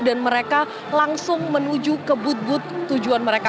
dan mereka langsung menuju ke but but tujuan mereka